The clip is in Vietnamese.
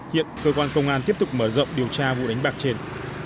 hiện cơ quan công an tiếp tục mở rộng điều tra vụ đánh bạc trên